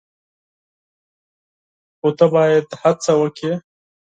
خو ته باید هڅه وکړې !